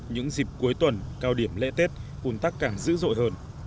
những dịp cuối tuần cao điểm lễ tết un tắc càng dữ dội hơn